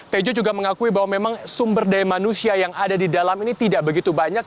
tejo juga mengakui bahwa memang sumber daya manusia yang ada di dalam ini tidak begitu banyak